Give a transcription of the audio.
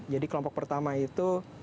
jadi kelompok pertama itu